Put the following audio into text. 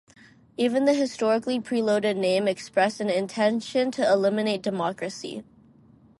Even the historically preloaded name expressed an intention to eliminate democracy.